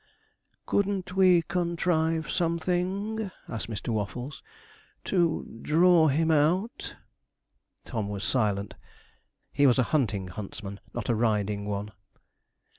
'Couldn't we contrive something,' asked Mr. Waffles, 'to draw him out?' Tom was silent. He was a hunting huntsman, not a riding one.